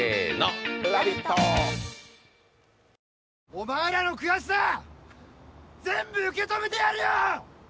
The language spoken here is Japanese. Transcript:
お前らの悔しさ全部受け止めてやるよ！